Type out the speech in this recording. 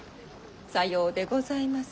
さようでございます。